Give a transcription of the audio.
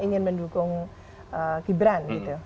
yang mendukung gibran